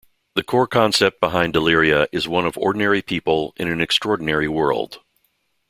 The core concept behind Deliria is one of ordinary people in an extraordinary world.